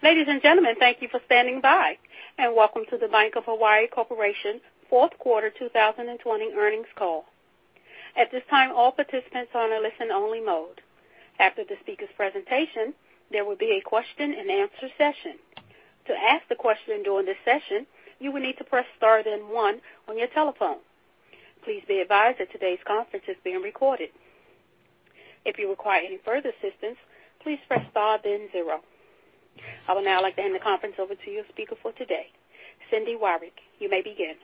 Ladies and gentlemen, thank you for standing by, and welcome to the Bank of Hawaii Corporation Q4 2020 earnings call. At this time, all participants are on a listen only mode. After the speaker's presentation, there will be a question and answer session. To ask the question during this session, you will need to press star then one on your telephone. Please be advised that today's conference is being recorded. If you require any further assistance, please press star then zero. I would now like to hand the conference over to your speaker for today. Cindy Wyrick, you may begin.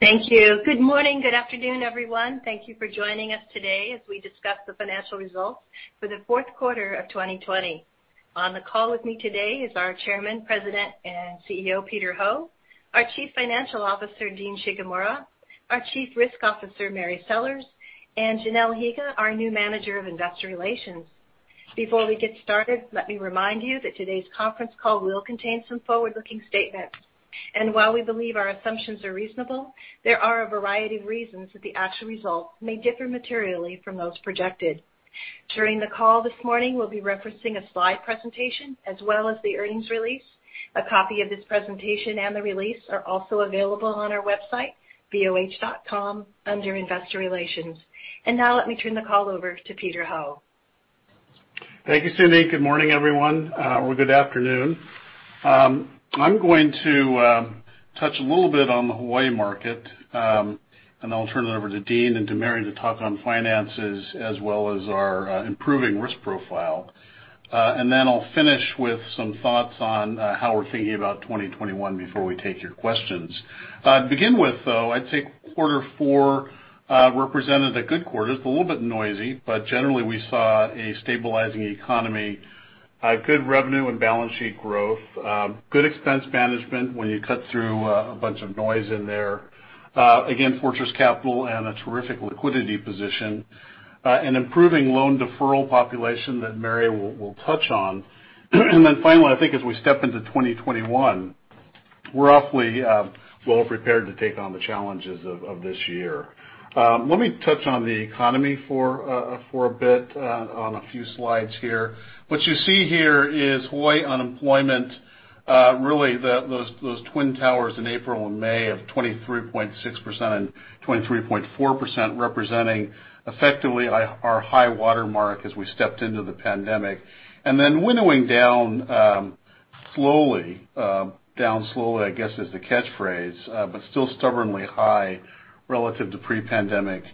Thank you. Good morning, good afternoon, everyone. Thank you for joining us today as we discuss the financial results for the Q4 of 2020. On the call with me today is our Chairman, President, and CEO, Peter Ho, our Chief Financial Officer, Dean Shigemura, our Chief Risk Officer, Mary Sellers, and Janelle Higa, our new Manager of Investor Relations. Before we get started, let me remind you that today's conference call will contain some forward-looking statements. While we believe our assumptions are reasonable, there are a variety of reasons that the actual results may differ materially from those projected. During the call this morning, we'll be referencing a slide presentation as well as the earnings release. A copy of this presentation and the release are also available on our website, boh.com, under investor relations. Now let me turn the call over to Peter Ho. Thank you, Cindy. Good morning, everyone, or good afternoon. I'm going to touch a little bit on the Hawaii market. I'll turn it over to Dean and to Mary to talk on finances as well as our improving risk profile. I'll finish with some thoughts on how we're thinking about 2021 before we take your questions. To begin with, though, I'd say quarter four represented a good quarter. It's a little bit noisy. Generally, we saw a stabilizing economy, good revenue and balance sheet growth, good expense management when you cut through a bunch of noise in there. Again, fortress capital and a terrific liquidity position, an improving loan deferral population that Mary will touch on. Finally, I think as we step into 2021, we're awfully well prepared to take on the challenges of this year. Let me touch on the economy for a bit on a few slides here. What you see here is Hawaii unemployment, really those twin towers in April and May of 23.6% and 23.4%, representing effectively our high water mark as we stepped into the pandemic. Winnowing down slowly, I guess is the catchphrase, but still stubbornly high relative to pre-pandemic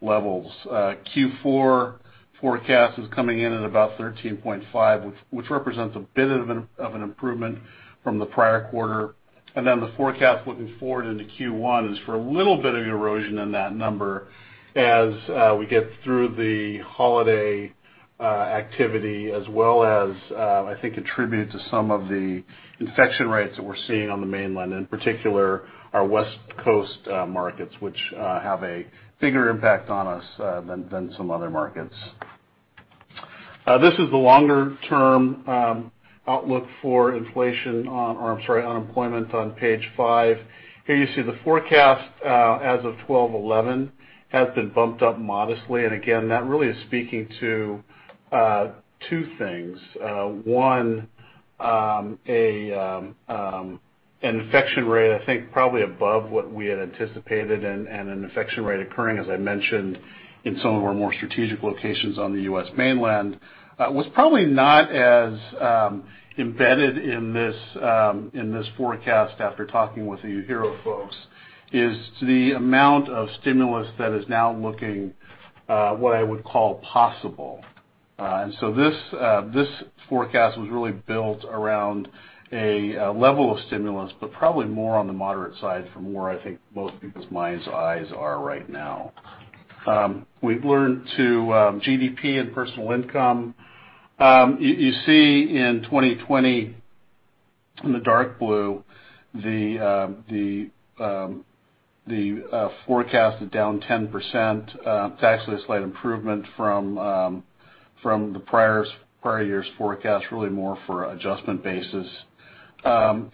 levels. Q4 forecast is coming in at about 13.5%, which represents a bit of an improvement from the prior quarter. The forecast looking forward into Q1 is for a little bit of erosion in that number as we get through the holiday activity as well as, I think, attributed to some of the infection rates that we're seeing on the mainland, in particular our West Coast markets, which have a bigger impact on us than some other markets. This is the longer-term outlook for inflation, I'm sorry, unemployment on page five. Here you see the forecast as of 12/11 has been bumped up modestly. Again, that really is speaking to two things. One, an infection rate, I think probably above what we had anticipated and an infection rate occurring, as I mentioned, in some of our more strategic locations on the U.S. mainland. What's probably not as embedded in this forecast after talking with the UHERO folks is the amount of stimulus that is now looking what I would call possible. This forecast was really built around a level of stimulus, but probably more on the moderate side from where I think most people's minds' eyes are right now. We've learned to GDP and personal income. You see in 2020, in the dark blue, the forecast is down 10%. It's actually a slight improvement from the prior year's forecast, really more for adjustment basis.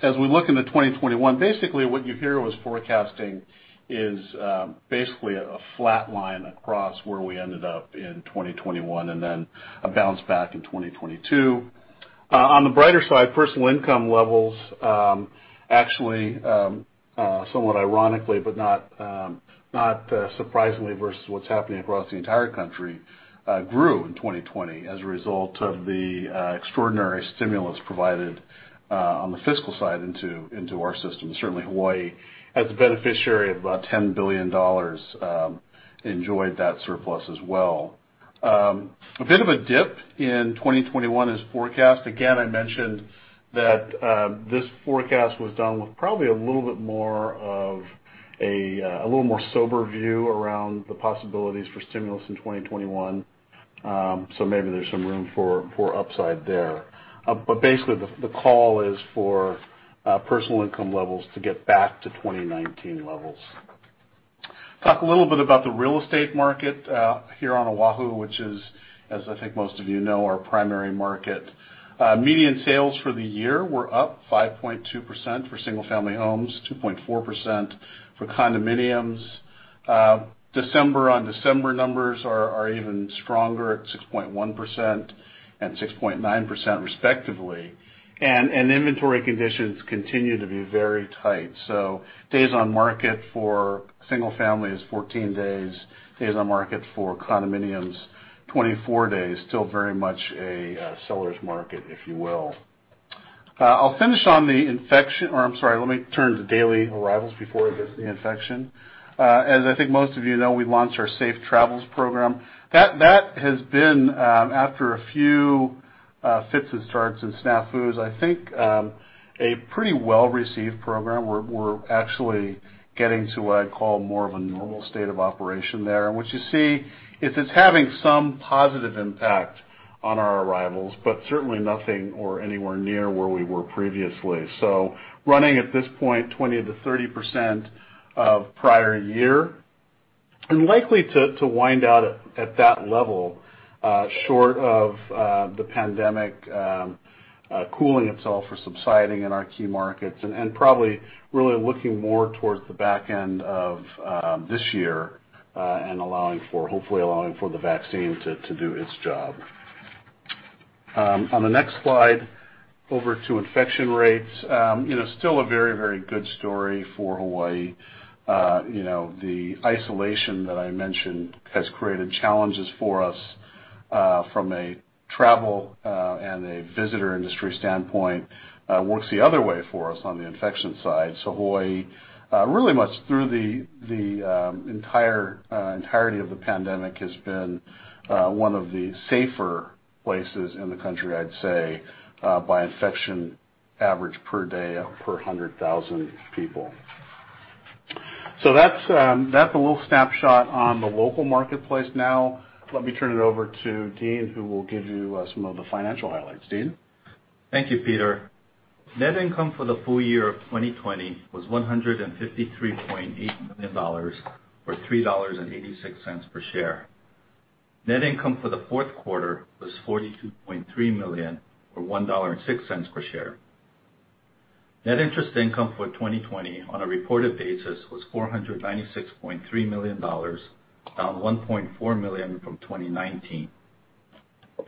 As we look into 2021, basically what UHERO was forecasting is basically a flat line across where we ended up in 2021 and then a bounce back in 2022. On the brighter side, personal income levels actually, somewhat ironically but not surprisingly versus what's happening across the entire country, grew in 2020 as a result of the extraordinary stimulus provided on the fiscal side into our system. Certainly Hawaii, as a beneficiary of about $10 billion, enjoyed that surplus as well. A bit of a dip in 2021 is forecast. Again, I mentioned that this forecast was done with probably a little more sober view around the possibilities for stimulus in 2021. Maybe there's some room for upside there. Basically, the call is for personal income levels to get back to 2019 levels. Talk a little bit about the real estate market here on Oahu, which is, as I think most of you know, our primary market. Median sales for the year were up 5.2% for single family homes, 2.4% for condominiums. December-on-December numbers are even stronger at 6.1% and 6.9% respectively. Inventory conditions continue to be very tight. Days on market for single family is 14 days on market for condominiums, 24 days. Still very much a seller's market, if you will. I'm sorry, let me turn to daily arrivals before I get to the infection. As I think most of you know, we launched our Safe Travels program. That has been, after a few fits and starts and snafus, I think a pretty well-received program. We're actually getting to what I'd call more of a normal state of operation there. What you see is it's having some positive impact on our arrivals, but certainly nothing or anywhere near where we were previously. Running at this point, 20%-30% of prior year, and likely to wind out at that level, short of the pandemic cooling itself or subsiding in our key markets, and probably really looking more towards the back end of this year, and hopefully allowing for the vaccine to do its job. On the next slide, over to infection rates. Still a very, very good story for Hawaii. The isolation that I mentioned has created challenges for us from a travel and a visitor industry standpoint. Works the other way for us on the infection side. Hawaii, really much through the entirety of the pandemic, has been one of the safer places in the country, I'd say, by infection average per day per 100,000 people. That's a little snapshot on the local marketplace. Let me turn it over to Dean, who will give you some of the financial highlights. Dean? Thank you, Peter. Net income for the full year of 2020 was $153.8 million, or $3.86 per share. Net income for the Q4 was $42.3 million, or $1.06 per share. Net interest income for 2020 on a reported basis was $496.3 million, down $1.4 million from 2019.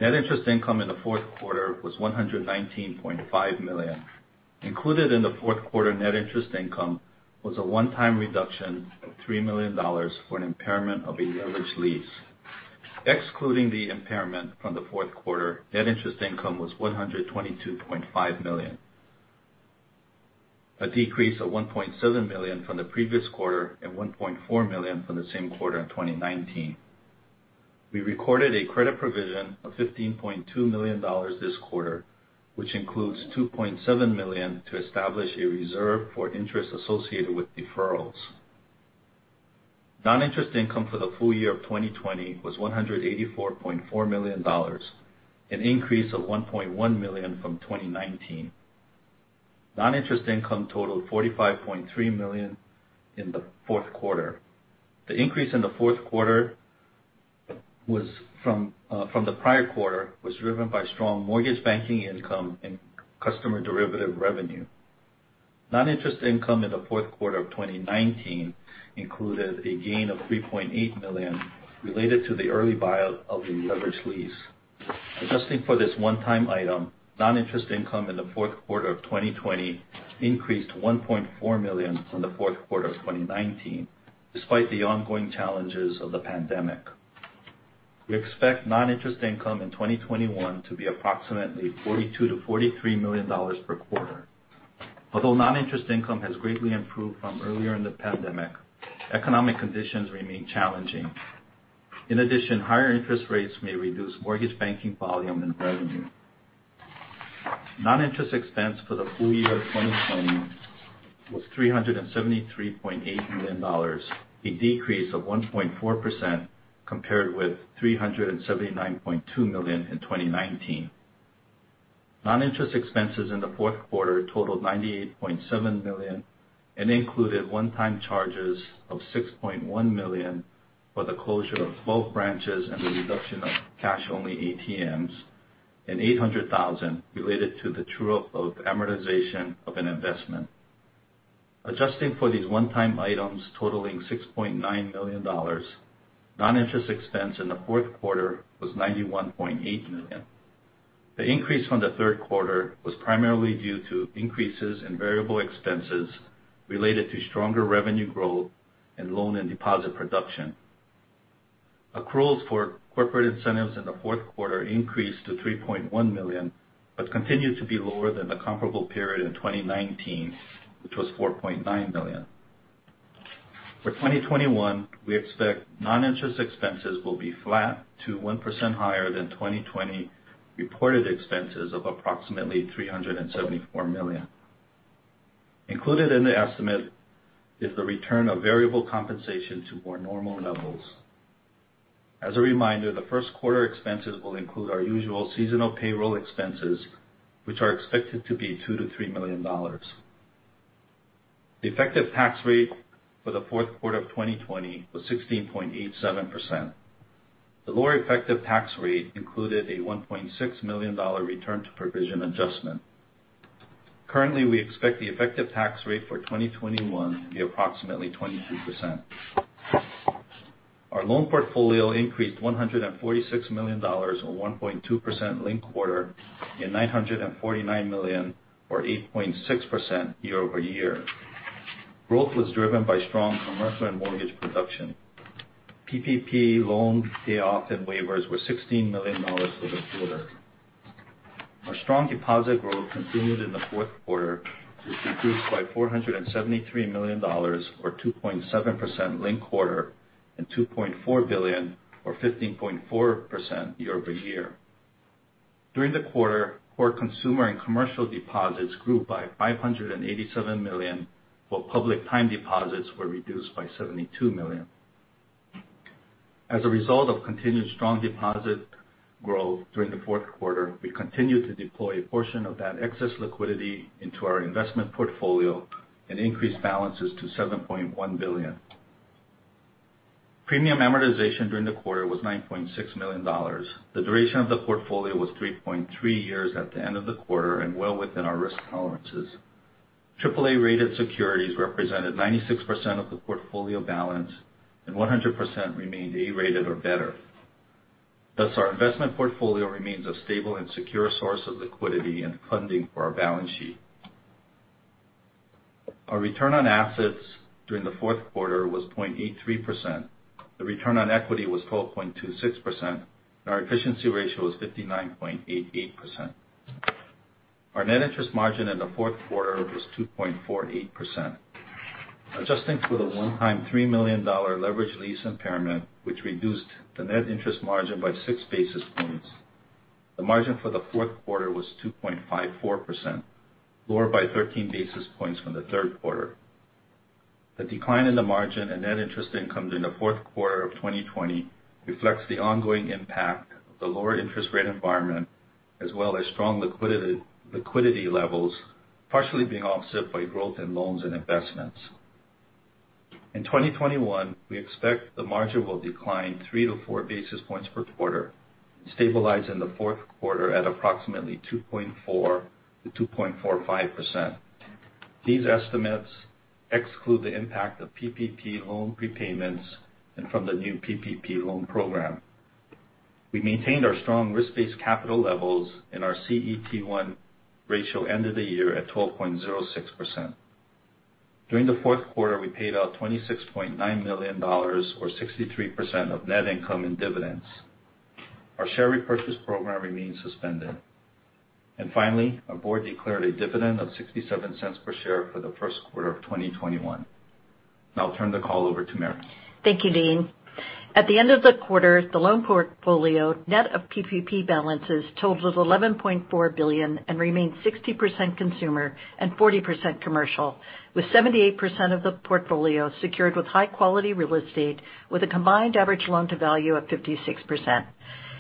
Net interest income in the Q4 was $119.5 million. Included in the Q4 net interest income was a one-time reduction of $3 million for an impairment of a leveraged lease. Excluding the impairment from the Q4, net interest income was $122.5 million, a decrease of $1.7 million from the previous quarter, and $1.4 million from the same quarter in 2019. We recorded a credit provision of $15.2 million this quarter, which includes $2.7 million to establish a reserve for interest associated with deferrals. Non-interest income for the full year of 2020 was $184.4 million, an increase of $1.1 million from 2019. Non-interest income totaled $45.3 million in the Q4. The increase in the Q4 from the prior quarter was driven by strong mortgage banking income and customer derivative revenue. Non-interest income in the Q4 of 2019 included a gain of $3.8 million related to the early buyout of the leveraged lease. Adjusting for this one-time item, non-interest income in the Q4 of 2020 increased $1.4 million from the Q4 of 2019, despite the ongoing challenges of the pandemic. We expect non-interest income in 2021 to be approximately $42 million-$43 million per quarter. Although non-interest income has greatly improved from earlier in the pandemic, economic conditions remain challenging. In addition, higher interest rates may reduce mortgage banking volume and revenue. Non-interest expense for the full year of 2020 was $373.8 million, a decrease of 1.4% compared with $379.2 million in 2019. Non-interest expenses in the Q4 totaled $98.7 million and included one-time charges of $6.1 million for the closure of 12 branches and the reduction of cash-only ATMs, and $800,000 related to the true-up of amortization of an investment. Adjusting for these one-time items totaling $6.9 million, non-interest expense in the Q4 was $91.8 million. The increase from the Q3 was primarily due to increases in variable expenses related to stronger revenue growth and loan and deposit production. Accruals for corporate incentives in the Q4 increased to $3.1 million, but continue to be lower than the comparable period in 2019, which was $4.9 million. For 2021, we expect non-interest expenses will be flat to 1% higher than 2020 reported expenses of approximately $374 million. Included in the estimate is the return of variable compensation to more normal levels. As a reminder, the Q1 expenses will include our usual seasonal payroll expenses, which are expected to be $2 million-$3 million. The effective tax rate for the Q4 of 2020 was 16.87%. The lower effective tax rate included a $1.6 million return to provision adjustment. Currently, we expect the effective tax rate for 2021 to be approximately 22%. Our loan portfolio increased $146 million or 1.2% linked quarter and $949 million or 8.6% year-over-year. Growth was driven by strong commercial and mortgage production. PPP loan payoff and waivers were $16 million for the quarter. Our strong deposit growth continued in the Q4, which increased by $473 million, or 2.7% linked quarter, and $2.4 billion or 15.4% year-over-year. During the quarter, core consumer and commercial deposits grew by $587 million, while public time deposits were reduced by $72 million. As a result of continued strong deposit growth during the Q4, we continued to deploy a portion of that excess liquidity into our investment portfolio and increased balances to $7.1 billion. Premium amortization during the quarter was $9.6 million. The duration of the portfolio was 3.3 years at the end of the quarter and well within our risk tolerances. AAA-rated securities represented 96% of the portfolio balance and 100% remained A-rated or better. Our investment portfolio remains a stable and secure source of liquidity and funding for our balance sheet. Our return on assets during the Q4 was 0.83%. The return on equity was 12.26%, and our efficiency ratio was 59.88%. Our net interest margin in the Q4 was 2.48%. Adjusting for the one-time $3 million leveraged lease impairment, which reduced the net interest margin by six basis points, the margin for the Q4 was 2.54%, lower by 13 basis points from the Q3. The decline in the margin and net interest income during the Q4 of 2020 reflects the ongoing impact of the lower interest rate environment, as well as strong liquidity levels, partially being offset by growth in loans and investments. In 2021, we expect the margin will decline three to four basis points per quarter and stabilize in the Q4 at approximately 2.4%-2.45%. These estimates exclude the impact of PPP loan prepayments and from the new PPP loan program. We maintained our strong risk-based capital levels and our CET1 ratio end of the year at 12.06%. During the Q4, we paid out $26.9 million or 63% of net income and dividends. Our share repurchase program remains suspended. Finally, our board declared a dividend of $0.67 per share for the Q1 of 2021. Now I'll turn the call over to Mary. Thank you, Dean. At the end of the quarter, the loan portfolio net of PPP balances totaled $11.4 billion and remained 60% consumer and 40% commercial, with 78% of the portfolio secured with high-quality real estate with a combined average loan-to-value of 56%.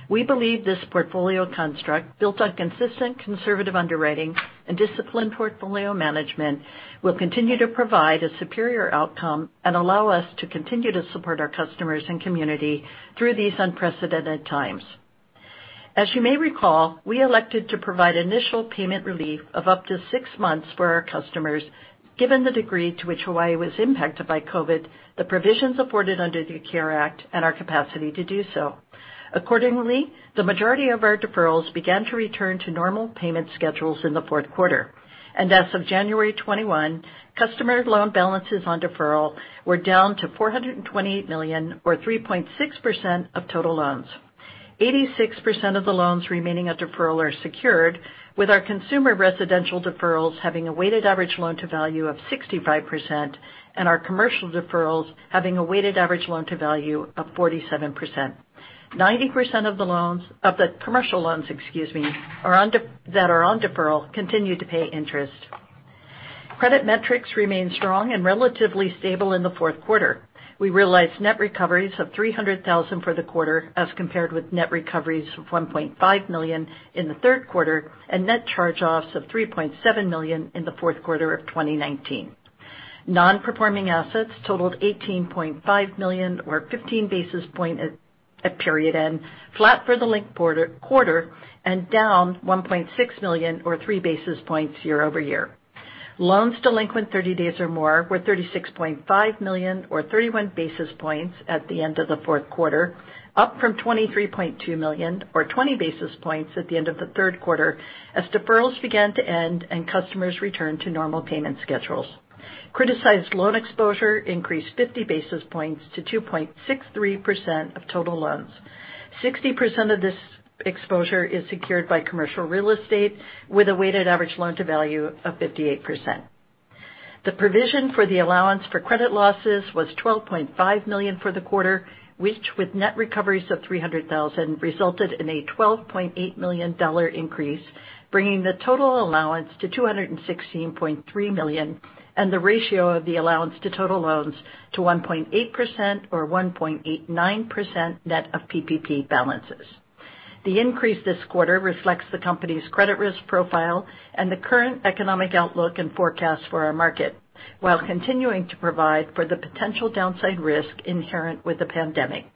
We believe this portfolio construct, built on consistent conservative underwriting and disciplined portfolio management, will continue to provide a superior outcome and allow us to continue to support our customers and community through these unprecedented times. As you may recall, we elected to provide initial payment relief of up to six months for our customers, given the degree to which Hawaii was impacted by COVID, the provisions afforded under the CARES Act, and our capacity to do so. Accordingly, the majority of our deferrals began to return to normal payment schedules in the Q4. As of 21 January, customer loan balances on deferral were down to $428 million or 3.6% of total loans. 86% of the loans remaining on deferral are secured, with our consumer residential deferrals having a weighted average loan-to-value of 65%, and our commercial deferrals having a weighted average loan-to-value of 47%. 90% of the commercial loans that are on deferral continue to pay interest. Credit metrics remain strong and relatively stable in the Q4. We realized net recoveries of $300,000 for the quarter as compared with net recoveries of $1.5 million in the Q3 and net charge-offs of $3.7 million in the Q4 of 2019. Non-performing assets totaled $18.5 million or 15 basis points at period end, flat for the linked quarter, and down $1.6 million or three basis points year-over-year. Loans delinquent 30 days or more were $36.5 million or 31 basis points at the end of the Q4, up from $23.2 million or 20 basis points at the end of the Q3, as deferrals began to end and customers returned to normal payment schedules. Criticized loan exposure increased 50 basis points to 2.63% of total loans. 60% of this exposure is secured by commercial real estate with a weighted average loan-to-value of 58%. The provision for the allowance for credit losses was $12.5 million for the quarter, which with net recoveries of $300,000 resulted in a $12.8 million increase, bringing the total allowance to $216.3 million and the ratio of the allowance to total loans to 1.8% or 1.89% net of PPP balances. The increase this quarter reflects the company's credit risk profile and the current economic outlook and forecast for our market, while continuing to provide for the potential downside risk inherent with the pandemic.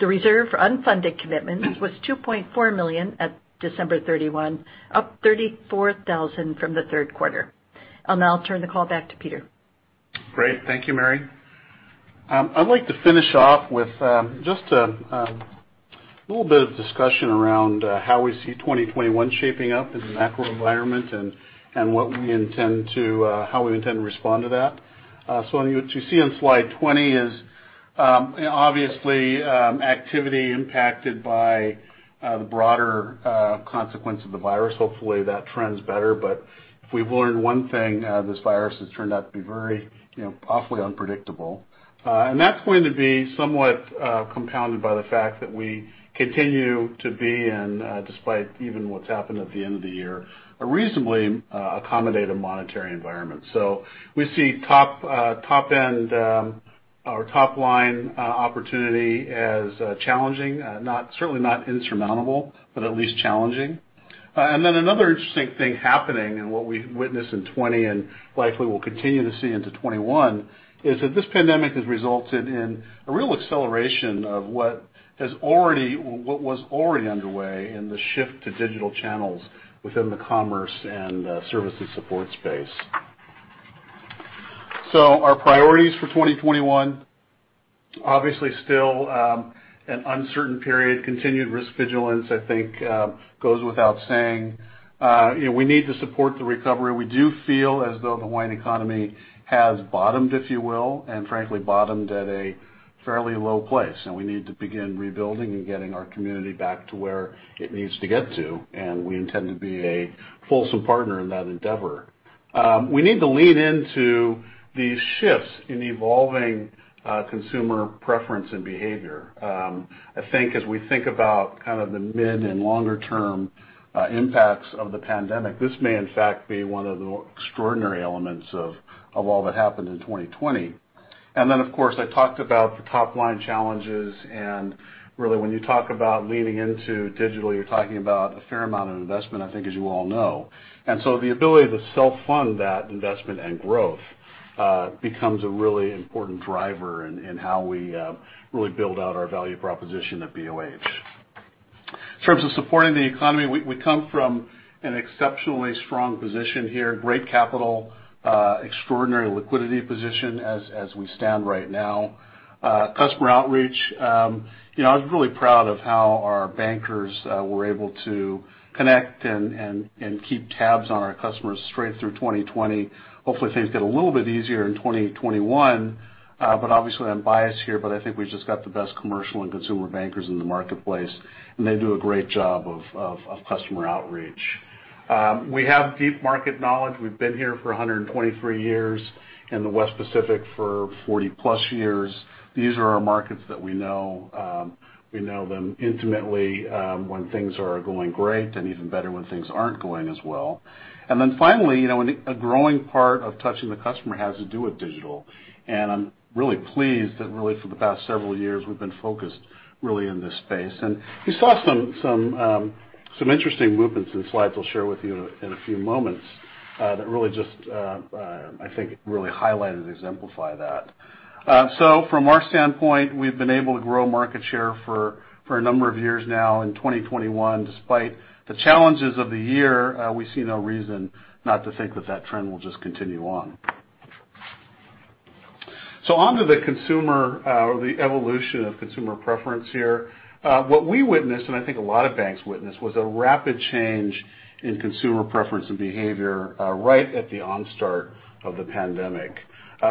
The reserve for unfunded commitments was $2.4 million at 31 December, up $34,000 from the Q3. I'll now turn the call back to Peter. Great. Thank you, Mary. I'd like to finish off with just a little bit of discussion around how we see 2021 shaping up in the macro environment and how we intend to respond to that. What you see on slide 20 is obviously activity impacted by the broader consequence of the virus. Hopefully, that trends better. If we've learned one thing, this virus has turned out to be very awfully unpredictable. That's going to be somewhat compounded by the fact that we continue to be in, despite even what's happened at the end of the year, a reasonably accommodative monetary environment. We see top end or top-line opportunity as challenging, certainly not insurmountable, but at least challenging. Another interesting thing happening and what we've witnessed in 2020 and likely will continue to see into 2021 is that this pandemic has resulted in a real acceleration of what was already underway in the shift to digital channels within the commerce and services support space. Our priorities for 2021, obviously still an uncertain period. Continued risk vigilance, I think, goes without saying. We need to support the recovery. We do feel as though the Hawaiian economy has bottomed, if you will, and frankly, bottomed at a fairly low place, and we need to begin rebuilding and getting our community back to where it needs to get to, and we intend to be a fulsome partner in that endeavor. We need to lean into these shifts in evolving consumer preference and behavior. I think as we think about kind of the mid and longer-term impacts of the pandemic, this may in fact, be one of the extraordinary elements of all that happened in 2020. Of course, I talked about the top-line challenges, and really, when you talk about leaning into digital, you're talking about a fair amount of investment, I think, as you all know. The ability to self-fund that investment and growth becomes a really important driver in how we really build out our value proposition at BOH. In terms of supporting the economy, we come from an exceptionally strong position here. Great capital, extraordinary liquidity position as we stand right now. Customer outreach. I was really proud of how our bankers were able to connect and keep tabs on our customers straight through 2020. Hopefully, things get a little bit easier in 2021. obviously, I'm biased here, but I think we've just got the best commercial and consumer bankers in the marketplace, and they do a great job of customer outreach. We have deep market knowledge. We've been here for 123 years, in the West Pacific for 40-plus years. These are our markets that we know. We know them intimately when things are going great, and even better when things aren't going as well. Finally, a growing part of touching the customer has to do with digital. I'm really pleased that really for the past several years, we've been focused really in this space. You saw some interesting movements in slides I'll share with you in a few moments that really just, I think, really highlight and exemplify that. From our standpoint, we've been able to grow market share for a number of years now. In 2021, despite the challenges of the year, we see no reason not to think that that trend will just continue on. Onto the evolution of consumer preference here. What we witnessed, and I think a lot of banks witnessed, was a rapid change in consumer preference and behavior right at the onset of the pandemic.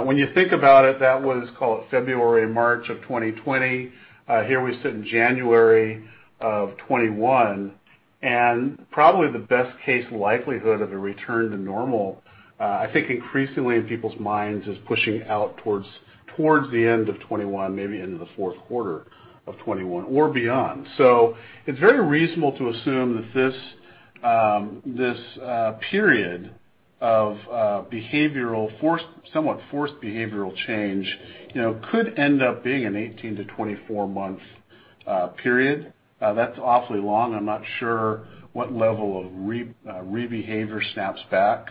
When you think about it, that was, call it February, March of 2020. Here we sit in January of 2021. Probably the best case likelihood of a return to normal, I think increasingly in people's minds, is pushing out towards the end of 2021, maybe into the Q4 of 2021 or beyond. It's very reasonable to assume that this period of somewhat forced behavioral change could end up being an 18-24-month period. That's awfully long. I'm not sure what level of re-behavior snaps back.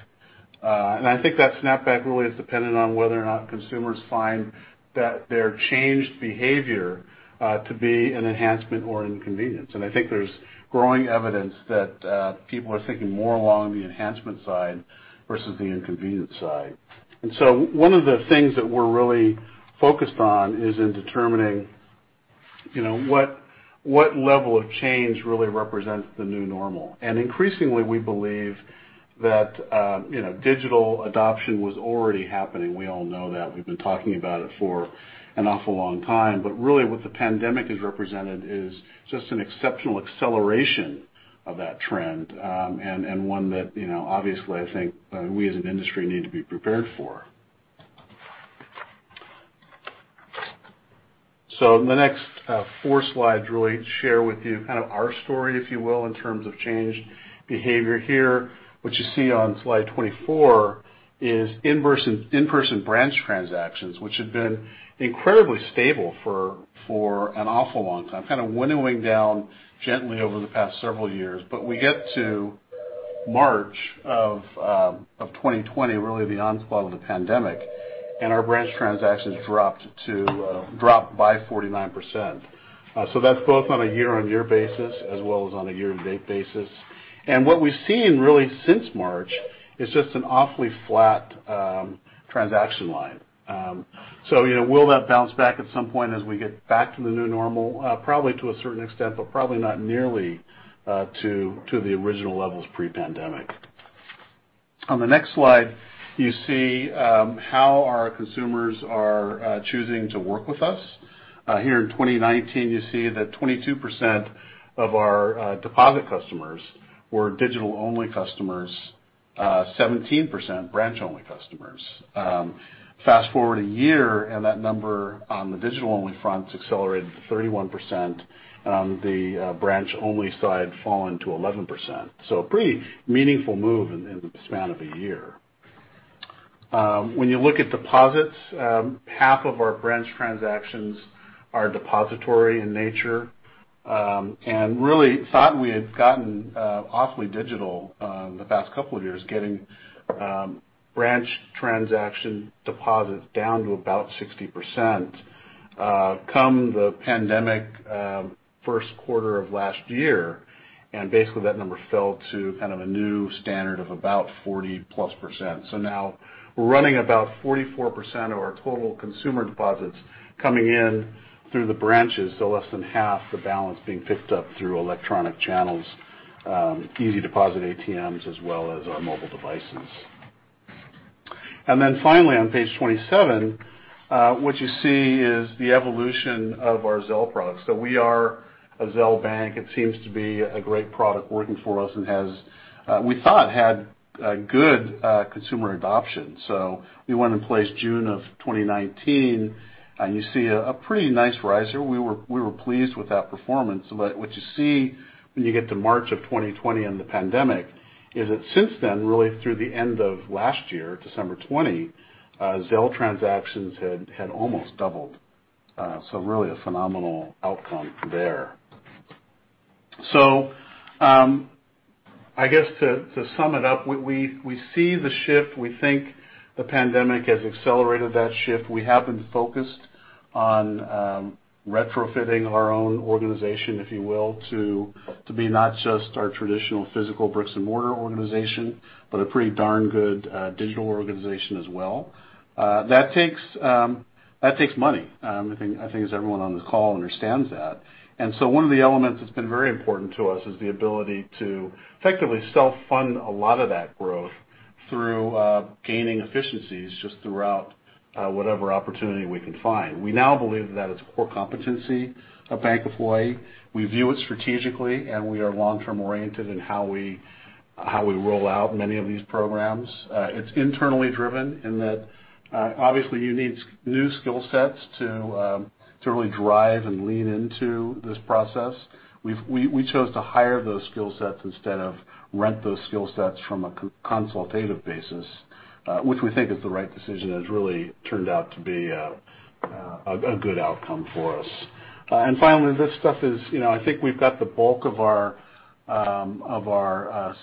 I think that snapback really is dependent on whether or not consumers find that their changed behavior to be an enhancement or an inconvenience. I think there's growing evidence that people are thinking more along the enhancement side versus the inconvenience side. One of the things that we're really focused on is in determining what level of change really represents the new normal. Increasingly, we believe that digital adoption was already happening. We all know that. We've been talking about it for an awful long time. Really what the pandemic has represented is just an exceptional acceleration of that trend. One that obviously, I think we as an industry need to be prepared for. The next four slides really share with you kind of our story, if you will, in terms of changed behavior here. What you see on slide 24 is in-person branch transactions, which had been incredibly stable for an awful long time, kind of winnowing down gently over the past several years. We get to March of 2020, really the onslaught of the pandemic, and our branch transactions dropped by 49%. That's both on a year-on-year basis as well as on a year-to-date basis. What we've seen really since March is just an awfully flat transaction line. Will that bounce back at some point as we get back to the new normal? Probably to a certain extent, but probably not nearly to the original levels pre-pandemic. On the next slide, you see how our consumers are choosing to work with us. Here in 2019, you see that 22% of our deposit customers were digital-only customers, 17% branch-only customers. Fast-forward a year, that number on the digital-only front accelerated to 31%, and on the branch-only side, fallen to 11%. A pretty meaningful move in the span of a year. When you look at deposits, half of our branch transactions are depository in nature. Really thought we had gotten awfully digital the past couple of years, getting branch transaction deposits down to about 60%. Come the pandemic Q1 of last year, basically that number fell to kind of a new standard of about 40-plus%. Now we're running about 44% of our total consumer deposits coming in through the branches, so less than half the balance being picked up through electronic channels, easy deposit ATMs, as well as our mobile devices. Finally, on page 27, what you see is the evolution of our Zelle products. We are a Zelle bank. It seems to be a great product working for us and we thought had good consumer adoption. We went in place June of 2019, and you see a pretty nice riser. We were pleased with that performance. What you see when you get to March of 2020 and the pandemic is that since then, really through the end of last year, December 2020, Zelle transactions had almost doubled. Really a phenomenal outcome there. I guess to sum it up, we see the shift. We think the pandemic has accelerated that shift. We have been focused on retrofitting our own organization, if you will, to be not just our traditional physical bricks and mortar organization, but a pretty darn good digital organization as well. That takes money. I think as everyone on this call understands that. One of the elements that's been very important to us is the ability to effectively self-fund a lot of that growth through gaining efficiencies just throughout whatever opportunity we can find. We now believe that it's a core competency of Bank of Hawaii. We view it strategically, and we are long-term oriented in how we roll out many of these programs. It's internally driven in that obviously you need new skill sets to really drive and lean into this process. We chose to hire those skill sets instead of rent those skill sets from a consultative basis, which we think is the right decision, and has really turned out to be a good outcome for us. Finally, I think we've got the bulk of our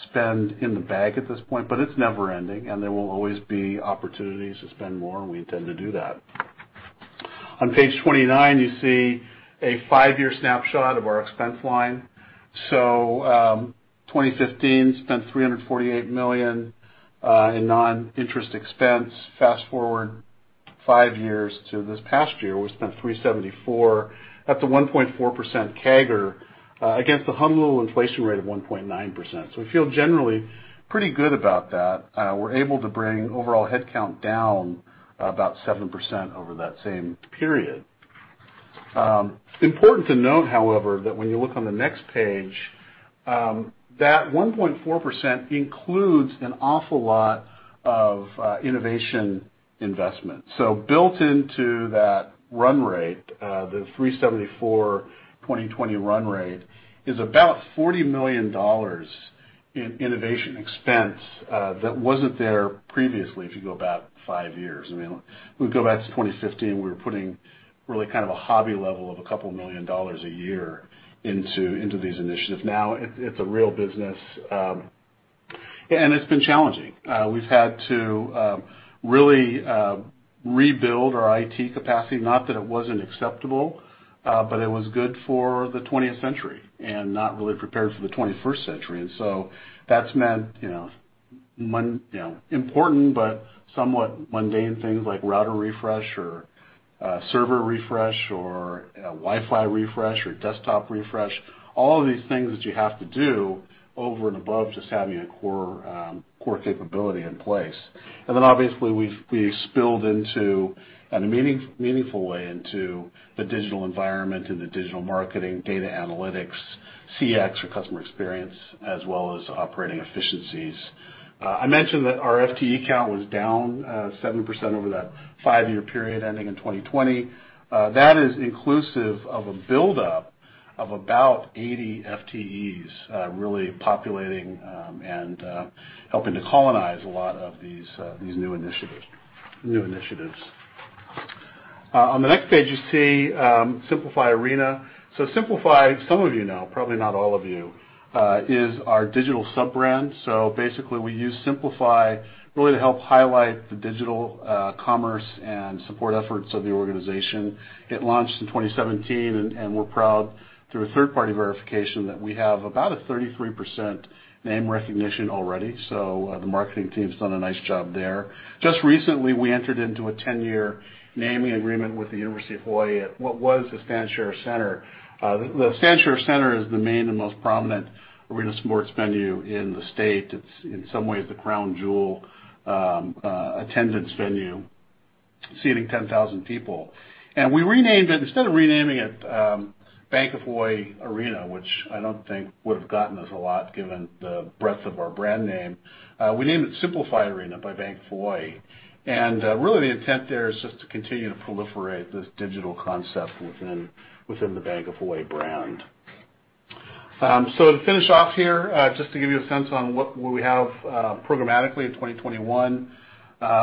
spend in the bag at this point, but it's never-ending and there will always be opportunities to spend more, and we intend to do that. On page 29, you see a five-year snapshot of our expense line. 2015, spent $348 million in non-interest expense. Fast-forward five years to this past year, we spent $374 at the 1.4% CAGR against the humble inflation rate of 1.9%. We feel generally pretty good about that. We're able to bring overall head count down about 7% over that same period. Important to note, however, that when you look on the next page, that 1.4% includes an awful lot of innovation investment. Built into that run rate, the $374, 2020 run rate is about $40 million in innovation expense that wasn't there previously if you go back five years. I mean, we go back to 2015, we were putting really kind of a hobby level of a couple million dollars a year into these initiatives. Now it's a real business. It's been challenging. We've had to really rebuild our IT capacity, not that it wasn't acceptable, but it was good for the 20th century and not really prepared for the 21st century. That's meant important but somewhat mundane things like router refresh or server refresh or Wi-Fi refresh or desktop refresh. All of these things that you have to do over and above just having a core capability in place. Obviously we've spilled into, in a meaningful way, into the digital environment and the digital marketing, data analytics, CX or customer experience, as well as operating efficiencies. I mentioned that our FTE count was down 7% over that five-year period ending in 2020. That is inclusive of a buildup of about 80 FTEs really populating and helping to colonize a lot of these new initiatives. On the next page, you see SimpliFi Arena. SimpliFi, some of you know, probably not all of you, is our digital sub-brand. Basically, we use SimpliFi really to help highlight the digital commerce and support efforts of the organization. It launched in 2017, and we're proud, through a third-party verification, that we have about a 33% name recognition already. The marketing team's done a nice job there. Just recently, we entered into a 10-year naming agreement with the University of Hawaii at what was the Stan Sheriff Center. The Stan Sheriff Center is the main and most prominent arena sports venue in the state. It's in some ways the crown jewel attendance venue, seating 10,000 people. Instead of renaming it Bank of Hawaii Arena, which I don't think would've gotten us a lot given the breadth of our brand name, we named it SimpliFi Arena by Bank of Hawaii. Really the intent there is just to continue to proliferate this digital concept within the Bank of Hawaii brand. To finish off here, just to give you a sense on what we have programmatically in 2021.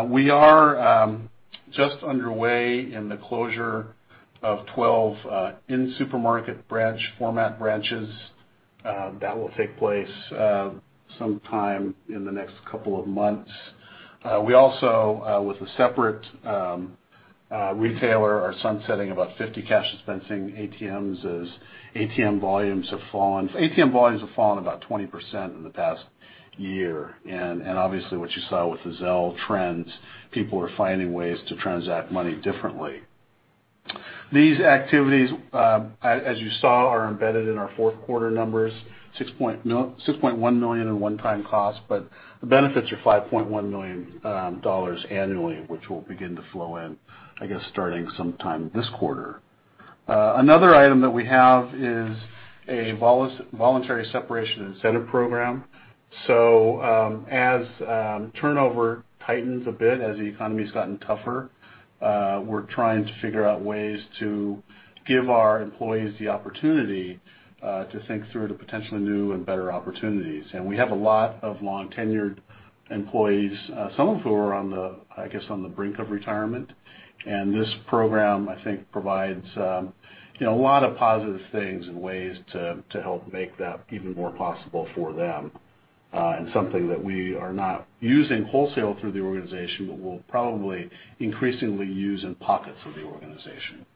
We are just underway in the closure of 12 in-supermarket branch format branches. That will take place sometime in the next couple of months. We also, with a separate retailer, are sunsetting about 50 cash dispensing ATMs as ATM volumes have fallen. ATM volumes have fallen about 20% in the past year, and obviously what you saw with the Zelle trends, people are finding ways to transact money differently. These activities, as you saw, are embedded in our Q4 numbers, $6.1 million in one-time cost, but the benefits are $5.1 million annually, which will begin to flow in, I guess, starting sometime this quarter. Another item that we have is a voluntary separation incentive program. As turnover tightens a bit, as the economy's gotten tougher, we're trying to figure out ways to give our employees the opportunity to think through the potentially new and better opportunities. We have a lot of long-tenured employees, some of who are on the brink of retirement. This program, I think, provides a lot of positive things and ways to help make that even more possible for them. Something that we are not using wholesale through the organization, but we'll probably increasingly use in pockets of the organization.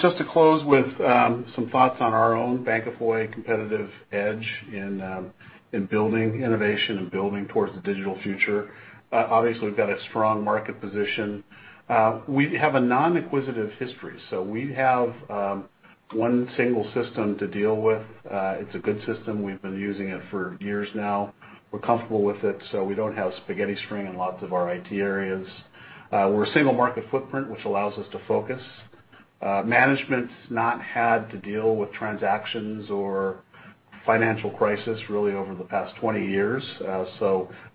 Just to close with some thoughts on our own Bank of Hawaii competitive edge in building innovation and building towards the digital future. Obviously, we've got a strong market position. We have a non-acquisitive history. We have one single system to deal with. It's a good system. We've been using it for years now. We're comfortable with it, so we don't have spaghetti string in lots of our IT areas. We're a single-market footprint, which allows us to focus. Management's not had to deal with transactions or financial crisis really over the past 20 years.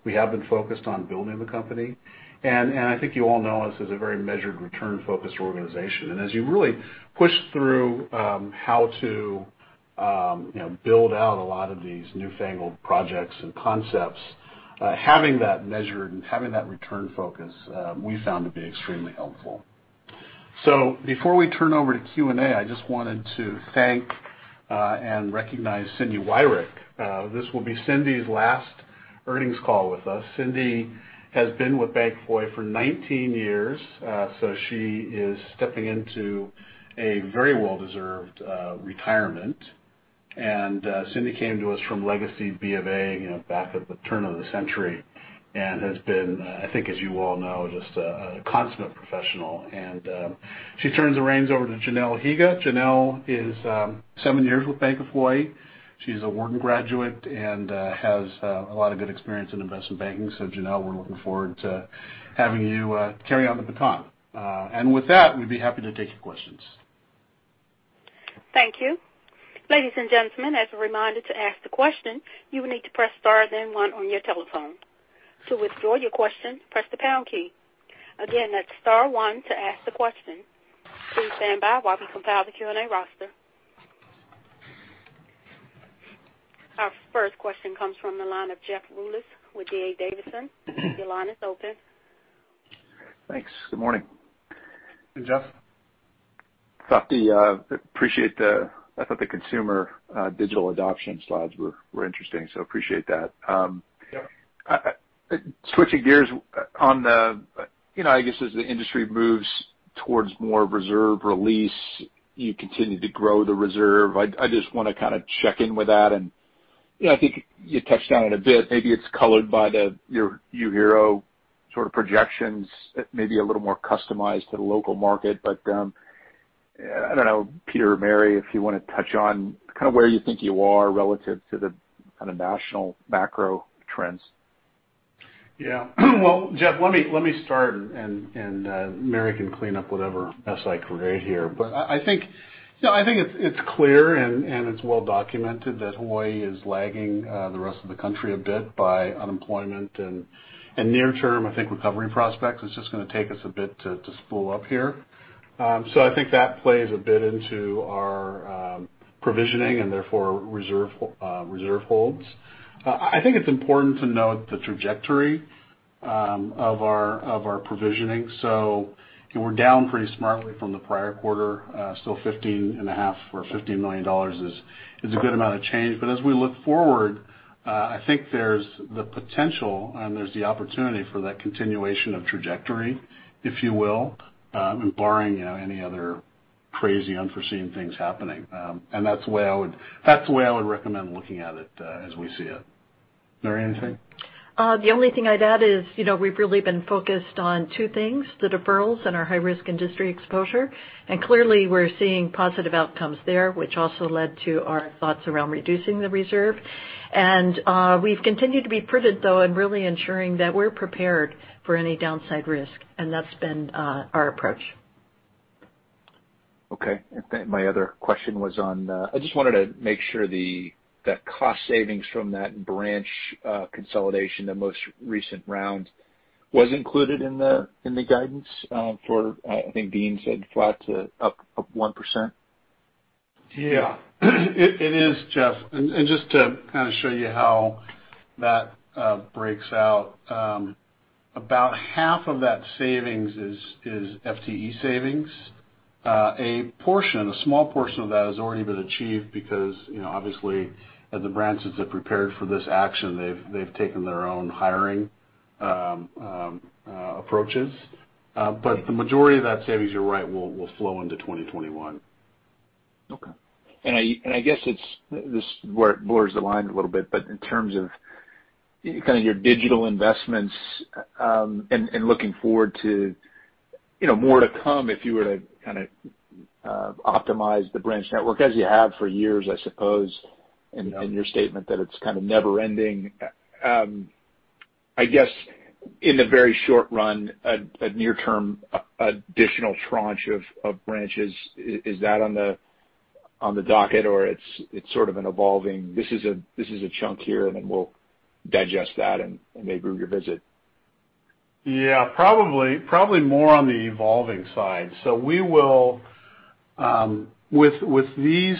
We have been focused on building the company. I think you all know us as a very measured, return-focused organization. As you really push through how to build out a lot of these newfangled projects and concepts, having that measured and having that return focus, we found to be extremely helpful. Before we turn over to Q&A, I just wanted to thank and recognize Cindy Wyrick. This will be Cindy's last earnings call with us. Cindy has been with Bank of Hawaii for 19 years. She is stepping into a very well-deserved retirement. Cindy came to us from Legacy B of A back at the turn of the century, and has been, I think as you all know, just a consummate professional. She turns the reins over to Janelle Higa. Janelle is seven years with Bank of Hawaii. She's a Wharton graduate and has a lot of good experience in investment banking. Janelle, we're looking forward to having you carry on the baton. With that, we'd be happy to take your questions. Thank you. Ladies and gentlemen, as a reminder to ask the question, you will need to press star then one on your telephone. To withdraw your question, press the pound key. Again, that's star one to ask the question. Please stand by while we compile the Q&A roster. Our first question comes from the line of Jeff Rulis with D.A. Davidson. Your line is open. Thanks. Good morning. Hey, Jeff. I thought the consumer digital adoption slides were interesting, so appreciate that. Yep. Switching gears, I guess as the industry moves towards more reserve release, you continue to grow the reserve. I just want to kind of check in with that, and I think you touched on it a bit. Maybe it's colored by UHERO sort of projections, maybe a little more customized to the local market. I don't know, Peter or Mary, if you want to touch on kind of where you think you are relative to the kind of national macro trends. Yeah. Well, Jeff, let me start, and Mary can clean up whatever mess I create here. I think it's clear and it's well documented that Hawaii is lagging the rest of the country a bit by unemployment. Near term, I think recovery prospects, it's just going to take us a bit to spool up here. I think that plays a bit into our provisioning and therefore reserve holds. I think it's important to note the trajectory of our provisioning. We're down pretty smartly from the prior quarter, still 15.5 or $15 million is a good amount of change. As we look forward, I think there's the potential and there's the opportunity for that continuation of trajectory, if you will, barring any other crazy unforeseen things happening. That's the way I would recommend looking at it as we see it. Mary, anything? The only thing I'd add is we've really been focused on two things, the deferrals and our high-risk industry exposure. Clearly, we're seeing positive outcomes there, which also led to our thoughts around reducing the reserve. We've continued to be prudent, though, in really ensuring that we're prepared for any downside risk, and that's been our approach. Okay. I just wanted to make sure that cost savings from that branch consolidation, the most recent round was included in the guidance for, I think Dean said flat to up 1%. Yeah. It is, Jeff. Just to kind of show you how that breaks out, about half of that savings is FTE savings. A portion, a small portion of that has already been achieved because obviously the branches have prepared for this action. They've taken their own hiring approaches. The majority of that savings, you're right, will flow into 2021. Okay. I guess this is where it blurs the line a little bit, but in terms of your digital investments, and looking forward to more to come if you were to optimize the branch network as you have for years, I suppose. in your statement that it's kind of never ending. I guess in the very short run, a near-term additional tranche of branches, is that on the docket or it's sort of an evolving, this is a chunk here and then we'll digest that and maybe revisit? Yeah, probably more on the evolving side. With these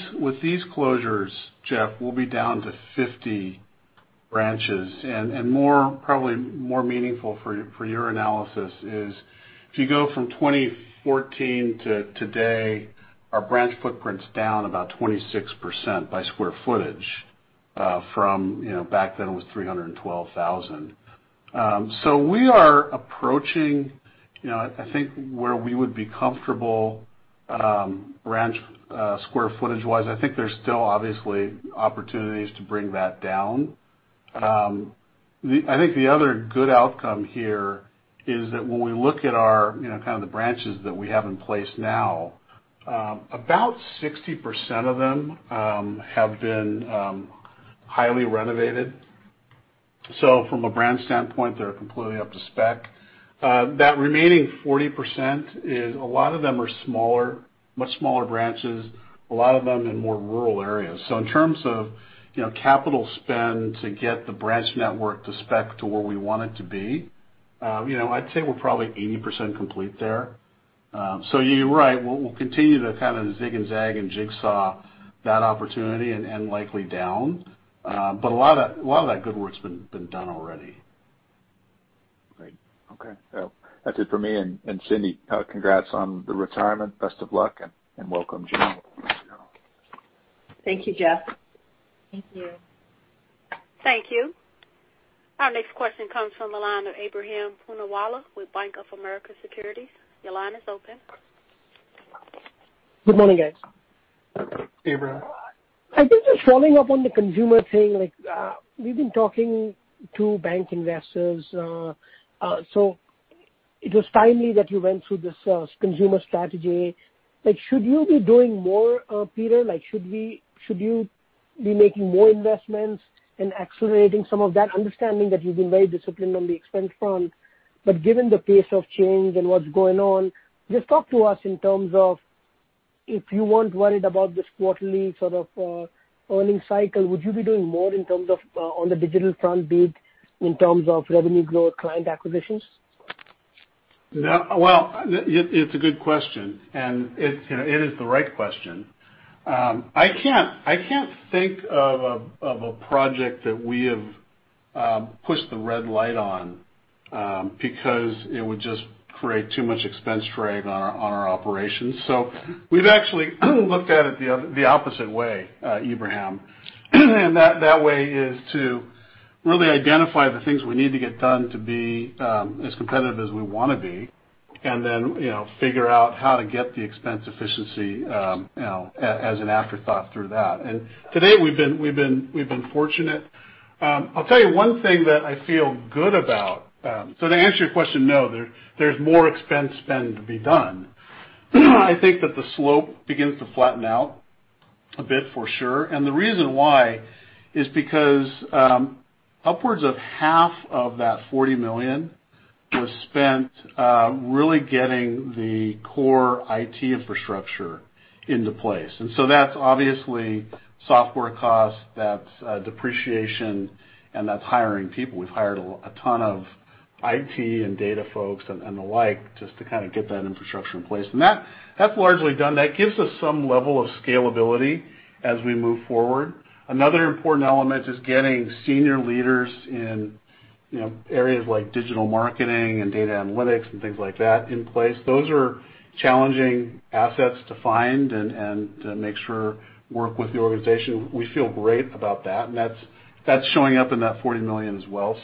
closures, Jeff, we'll be down to 50 branches and probably more meaningful for your analysis is if you go from 2014 to today, our branch footprint's down about 26% by square footage from back then it was 312,000. We are approaching I think where we would be comfortable branch square footage-wise. I think there's still obviously opportunities to bring that down. I think the other good outcome here is that when we look at our kind of the branches that we have in place now, about 60% of them have been highly renovated. From a branch standpoint, they're completely up to spec. That remaining 40% is a lot of them are much smaller branches, a lot of them in more rural areas. In terms of capital spend to get the branch network to spec to where we want it to be, I'd say we're probably 80% complete there. You're right. We'll continue to kind of zigzag and jigsaw that opportunity and likely down. A lot of that good work's been done already. Great. Okay. That's it for me. Cindy, congrats on the retirement. Best of luck and welcome, Jen. Thank you, Jeff. Thank you. Thank you. Our next question comes from the line of Ebrahim Poonawala with Bank of America Securities. Your line is open. Good morning, guys. Hey Ebrahim. I think just following up on the consumer thing, like we've been talking to bank investors. It was timely that you went through this consumer strategy. Like should you be doing more, Peter? Like should you be making more investments and accelerating some of that, understanding that you've been very disciplined on the expense front, given the pace of change and what's going on, just talk to us in terms of if you weren't worried about this quarterly sort of earning cycle, would you be doing more in terms of on the digital front, be it in terms of revenue growth, client acquisitions? Well, it's a good question. It is the right question. I can't think of a project that we have pushed the red light on because it would just create too much expense drag on our operations. We've actually looked at it the opposite way, Ebrahim. That way is to really identify the things we need to get done to be as competitive as we want to be then figure out how to get the expense efficiency as an afterthought through that. To date we've been fortunate. I'll tell you one thing that I feel good about. To answer your question, no, there's more expense spend to be done. I think that the slope begins to flatten out a bit for sure. The reason why is because upwards of half of that $40 million was spent really getting the core IT infrastructure into place. That's obviously software cost, that's depreciation, and that's hiring people. We've hired a ton of IT and data folks and the like just to kind of get that infrastructure in place. That's largely done. That gives us some level of scalability as we move forward. Another important element is getting senior leaders in areas like digital marketing and data analytics and things like that in place. Those are challenging assets to find and to make sure work with the organization. We feel great about that, and that's showing up in that $40 million as well.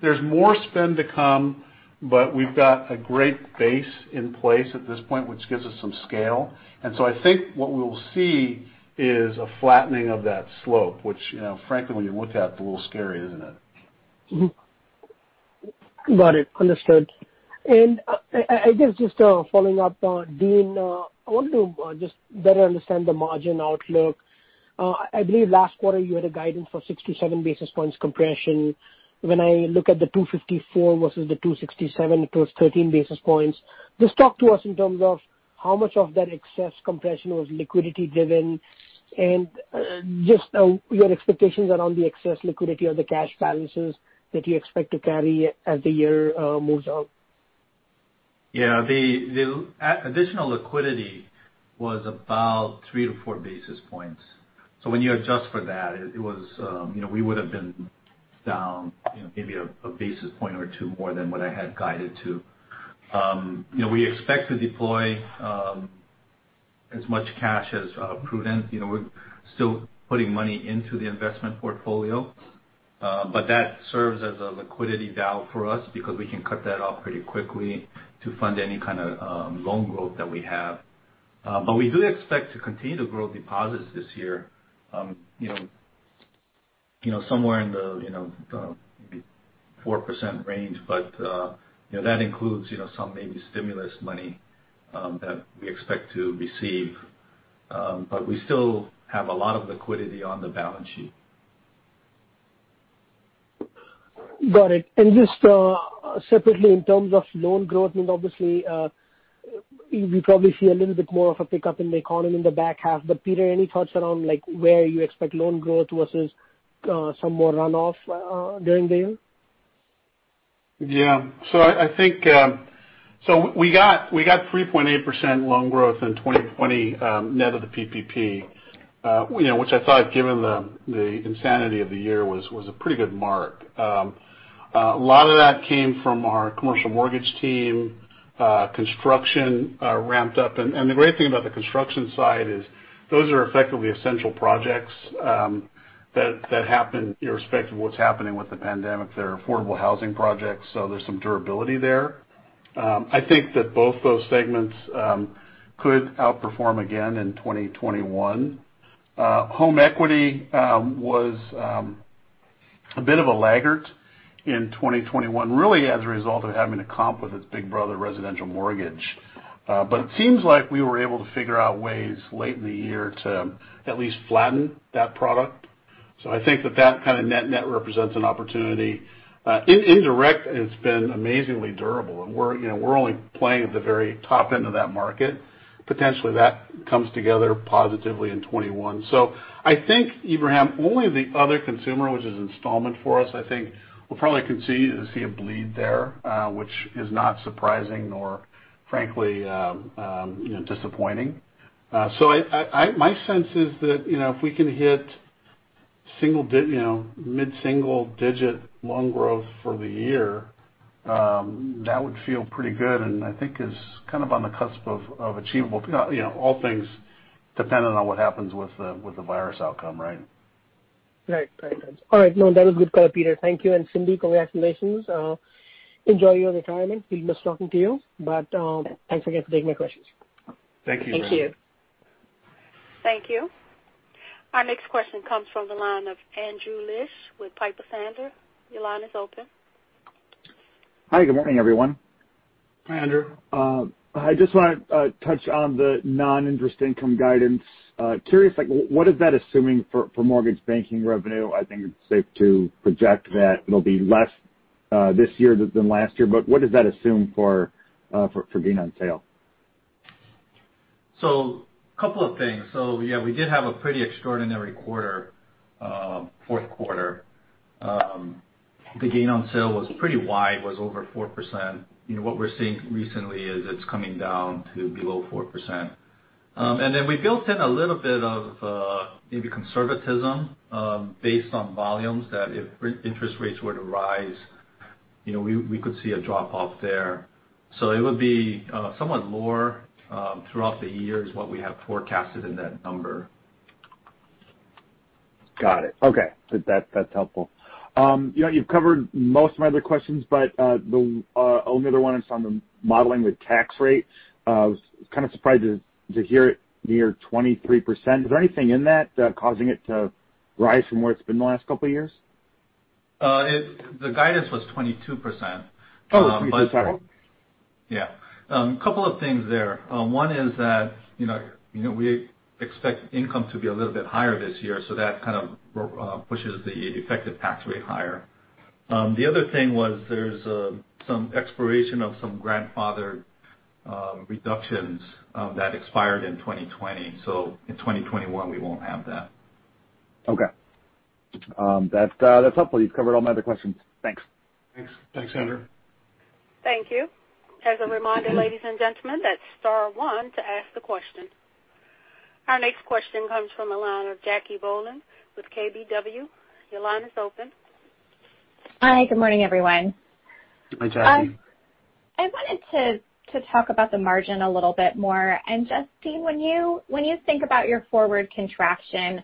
There's more spend to come, but we've got a great base in place at this point, which gives us some scale. I think what we will see is a flattening of that slope, which, frankly, when you look at, it's a little scary, isn't it? Got it. Understood. I guess just following up on Dean, I wanted to just better understand the margin outlook. I believe last quarter you had a guidance for 67 basis points compression. When I look at the 254 versus the 267, it was 13 basis points. Just talk to us in terms of how much of that excess compression was liquidity-driven and just your expectations around the excess liquidity or the cash balances that you expect to carry as the year moves out. Yeah. The additional liquidity was about three to four basis points. When you adjust for that, we would've been down maybe a basis point or two more than what I had guided to. We expect to deploy as much cash as prudent. We're still putting money into the investment portfolio. That serves as a liquidity valve for us because we can cut that off pretty quickly to fund any kind of loan growth that we have. We do expect to continue to grow deposits this year somewhere in the 4% range. That includes some maybe stimulus money that we expect to receive. We still have a lot of liquidity on the balance sheet. Got it. Just separately in terms of loan growth, and obviously we probably see a little bit more of a pickup in the economy in the back half. Peter, any thoughts around where you expect loan growth versus some more runoff during the year? Yeah. We got 3.8% loan growth in 2020 net of the PPP which I thought, given the insanity of the year, was a pretty good mark. A lot of that came from our commercial mortgage team. Construction ramped up. The great thing about the construction side is those are effectively essential projects that happen irrespective of what's happening with the pandemic. They're affordable housing projects, so there's some durability there. I think that both those segments could outperform again in 2021. Home equity was a bit of a laggard in 2021, really as a result of having to comp with its big brother, residential mortgage. It seems like we were able to figure out ways late in the year to at least flatten that product. I think that that kind of net represents an opportunity. Indirect, it's been amazingly durable, and we're only playing at the very top end of that market. Potentially that comes together positively in 2021. I think, Ebrahim, only the other consumer, which is installment for us, I think we'll probably continue to see a bleed there which is not surprising nor frankly disappointing. My sense is that if we can hit mid-single digit loan growth for the year, that would feel pretty good and I think is kind of on the cusp of achievable all things dependent on what happens with the virus outcome, right? Right. All right. No, that is good color, Peter. Thank you. Cindy, congratulations. Enjoy your retirement. We'll miss talking to you. Thanks again for taking my questions. Thank you. Thank you. Thank you. Our next question comes from the line of Andrew Liesch with Piper Sandler. Your line is open. Hi, good morning, everyone. Hi, Andrew. I just want to touch on the non-interest income guidance. Curious, what is that assuming for mortgage banking revenue? I think it's safe to project that it will be less this year than last year. What does that assume for gain on sale? A couple of things. Yeah, we did have a pretty extraordinary Q4. The gain on sale was pretty wide, was over 4%. What we're seeing recently is it's coming down to below 4%. We built in a little bit of maybe conservatism based on volumes that if interest rates were to rise we could see a drop-off there. It would be somewhat more throughout the year is what we have forecasted in that number. Got it. Okay. That's helpful. You've covered most of my other questions, but the only other one is on the modeling with tax rates. I was kind of surprised to hear it near 23%. Is there anything in that causing it to rise from where it's been the last couple of years? The guidance was 22%. Oh, 22%. Yeah. Couple of things there. One is that we expect income to be a little bit higher this year, so that kind of pushes the effective tax rate higher. The other thing was there's some expiration of some grandfathered reductions that expired in 2020. In 2021 we won't have that. Okay. That's helpful. You've covered all my other questions. Thanks. Thanks, Andrew. Thank you. As a reminder, ladies and gentlemen, that's star one to ask the question. Our next question comes from the line of Jackie Bohlen with KBW. Your line is open. Hi, good morning, everyone. Hi, Jackie. I wanted to talk about the margin a little bit more. Dean, when you think about your forward contraction,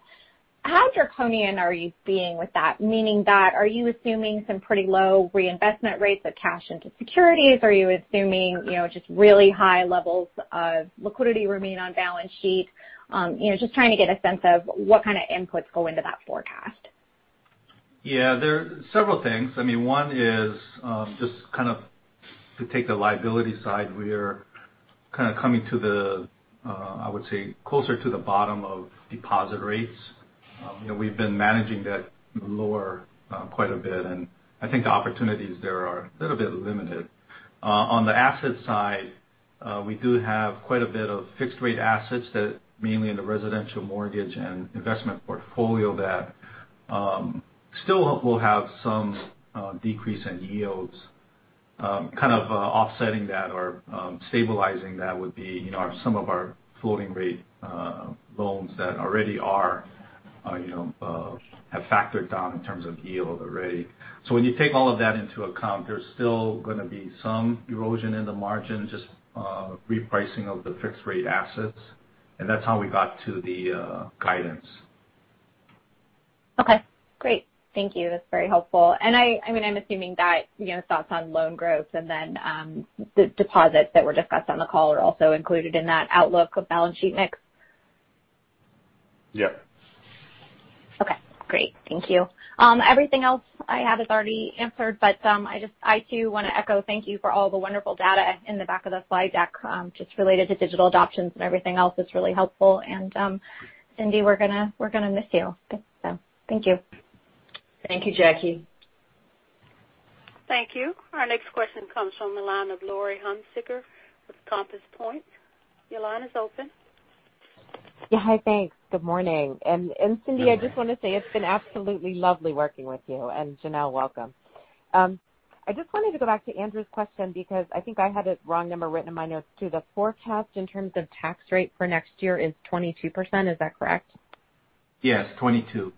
how draconian are you being with that? Meaning that, are you assuming some pretty low reinvestment rates of cash into securities? Are you assuming just really high levels of liquidity remain on balance sheet? Just trying to get a sense of what kind of inputs go into that forecast. Yeah. There are several things. One is just kind of to take the liability side, we are kind of coming to the, I would say, closer to the bottom of deposit rates. We've been managing that lower quite a bit, and I think the opportunities there are a little bit limited. On the asset side, we do have quite a bit of fixed rate assets, mainly in the residential mortgage and investment portfolio, that still will have some decrease in yields. Kind of offsetting that or stabilizing that would be some of our floating rate loans that already have factored down in terms of yield already. When you take all of that into account, there's still going to be some erosion in the margin, just repricing of the fixed rate assets. That's how we got to the guidance. Okay, great. Thank you. That's very helpful. I'm assuming that thoughts on loan growth and then the deposits that were discussed on the call are also included in that outlook of balance sheet mix. Yeah. Okay, great. Thank you. I, too, want to echo thank you for all the wonderful data in the back of the slide deck. Just related to digital adoptions and everything else, it's really helpful. Cindy, we're going to miss you. Thank you. Thank you, Jackie. Thank you. Our next question comes from the line of Laurie Hunsicker with Compass Point. Your line is open. Yeah. Hi, thanks. Good morning. Cindy, I just want to say it's been absolutely lovely working with you. Janelle, welcome. I just wanted to go back to Andrew's question because I think I had a wrong number written in my notes, too. The forecast in terms of tax rate for next year is 22%, is that correct? Yes, 22.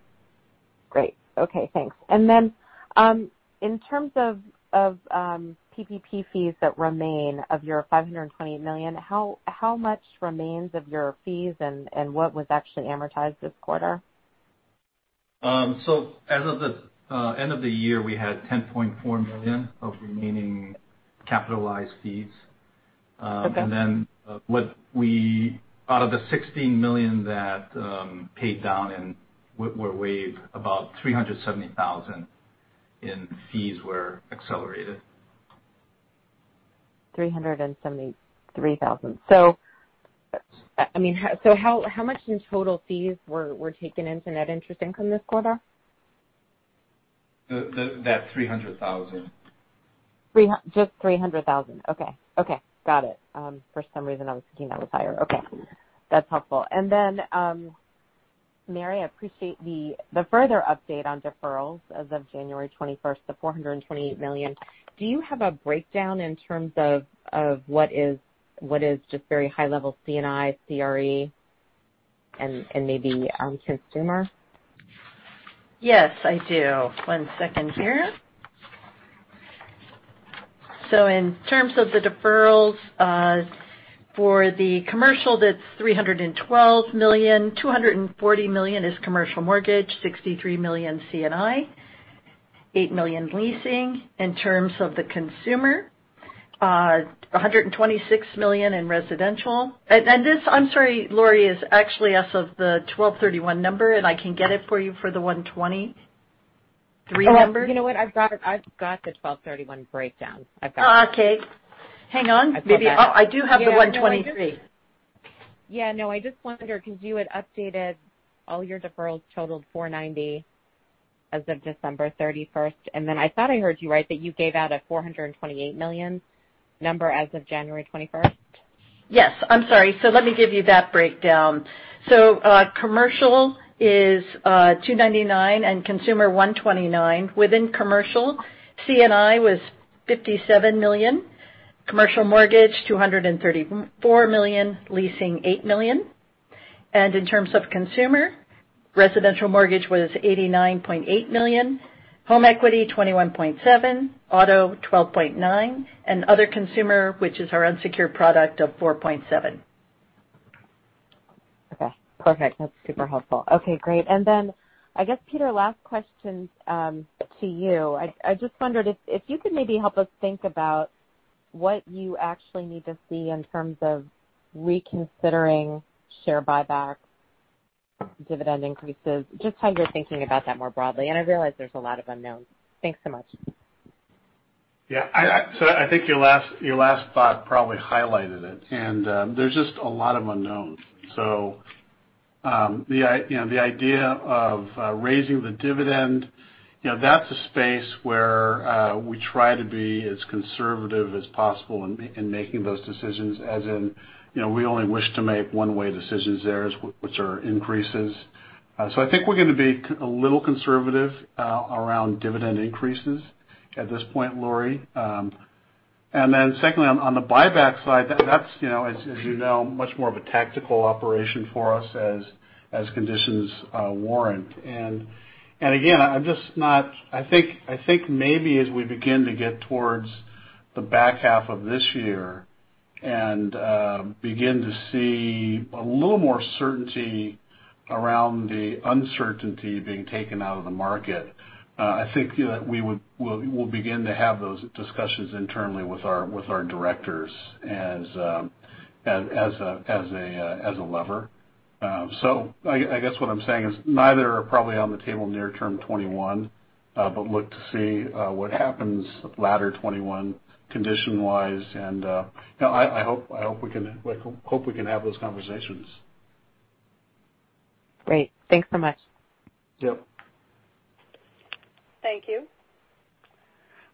Great. Okay, thanks. Then, in terms of PPP fees that remain of your $520 million, how much remains of your fees, and what was actually amortized this quarter? As of the end of the year, we had $10.4 million of remaining capitalized fees. Okay. Out of the $16 million that paid down and were waived, about $370,000 in fees were accelerated. $373,000. How much in total fees were taken into net interest income this quarter? That's $300,000. Just $300,000. Okay. Got it. For some reason, I was thinking that was higher. Okay. That's helpful. Then, Mary, I appreciate the further update on deferrals as of 21 January to $428 million. Do you have a breakdown in terms of what is just very high level C&I, CRE, and maybe consumer? Yes, I do. One second here. In terms of the deferrals for the commercial, that's $312 million. $240 million is commercial mortgage, $63 million C&I, $8 million leasing. In terms of the consumer, $126 million in residential. This, I'm sorry, Laurie, is actually as of the 12/31 number, and I can get it for you for the 1/23 number. Oh, you know what. I've got the 12/31 breakdown. I've got it. Oh, okay. Hang on. Maybe I do have the 1/23. Yeah, no, I just wondered because you had updated all your deferrals totaled $490 as of 31 December, and then I thought I heard you right, that you gave out a $428 million number as of 21 January. Yes. I'm sorry. Let me give you that breakdown. Commercial is $299 and consumer $129. Within commercial, C&I was $57 million. Commercial mortgage, $234 million. Leasing, $8 million. In terms of consumer, residential mortgage was $89.8 million. Home equity, $21.7. Auto, $12.9. Other consumer, which is our unsecured product, of $4.7. Okay, perfect. That's super helpful. Okay, great. I guess, Peter, last question to you. I just wondered if you could maybe help us think about what you actually need to see in terms of reconsidering share buybacks, dividend increases, just how you're thinking about that more broadly. I realize there's a lot of unknowns. Thanks so much. Yeah. I think your last thought probably highlighted it, and there's just a lot of unknowns. The idea of raising the dividend, that's a space where we try to be as conservative as possible in making those decisions. As in, we only wish to make one-way decisions there, which are increases. I think we're going to be a little conservative around dividend increases at this point, Laurie. Secondly, on the buyback side, that's, as you know, much more of a tactical operation for us as conditions warrant. Again, I think maybe as we begin to get towards the back half of this year and begin to see a little more certainty around the uncertainty being taken out of the market, I think that we'll begin to have those discussions internally with our directors as a lever. I guess what I'm saying is neither are probably on the table near term 2021, but look to see what happens latter 2021 condition wise, and I hope we can have those conversations. Great. Thanks so much. Yep. Thank you.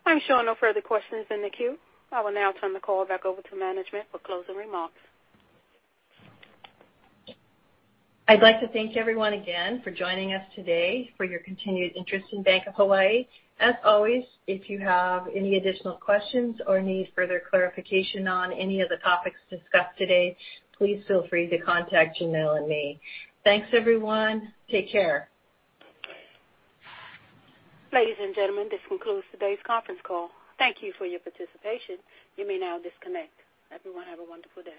I'm showing no further questions in the queue. I will now turn the call back over to management for closing remarks. I'd like to thank everyone again for joining us today, for your continued interest in Bank of Hawaii. As always, if you have any additional questions or need further clarification on any of the topics discussed today, please feel free to contact Janelle and me. Thanks, everyone. Take care. Ladies and gentlemen, this concludes today's conference call. Thank you for your participation. You may now disconnect. Everyone have a wonderful day.